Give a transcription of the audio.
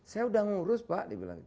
saya udah ngurus pak dia bilang